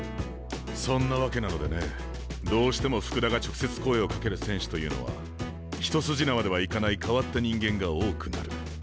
そんな訳なのでねどうしても福田が直接声をかける選手というのは一筋縄ではいかない変わった人間が多くなる。